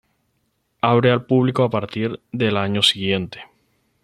Abre al público a partir del año siguiente.